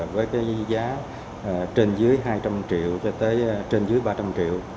với cái giá trên dưới hai trăm linh triệu cho tới trên dưới ba trăm linh triệu